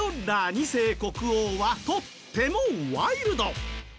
２世国王はとてもワイルド。